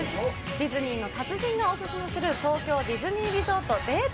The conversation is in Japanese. ディズニーの達人がおすすめする、東京ディズニーリゾートのデート